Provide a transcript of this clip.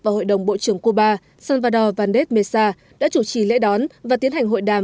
và hội đồng bộ trưởng cuba salvador vandes mesa đã chủ trì lễ đón và tiến hành hội đàm